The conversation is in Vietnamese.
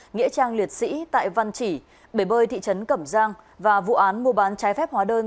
nghĩa trang liệt sĩ tại văn chỉ bể bơi thị trấn cẩm giang và vụ án mua bán trái phép hóa đơn